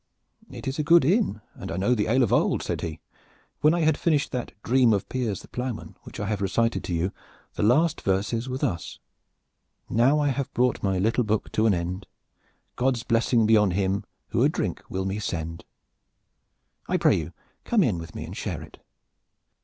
"It is a good inn, and I know the ale of old," said he. "When I had finished that 'Dream of Piers the Plowman' from which I have recited to you, the last verses were thus: "'Now have I brought my little booke to an ende God's blessing be on him who a drinke will me sende' "I pray you come in with me and share it."